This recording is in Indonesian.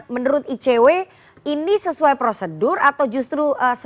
menurut icw ini sesuai prosedur atau justru